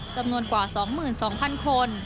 จำนวนกว่า๒๒๐๐๐คน